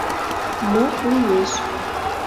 — Мо лиеш...